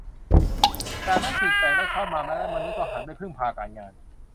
จากนั้นสิ่งแปลกได้เข้ามาและมนุษย์ก็หันไปพึ่งพาการงาน